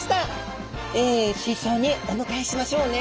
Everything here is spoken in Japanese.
え水槽にお迎えしましょうね。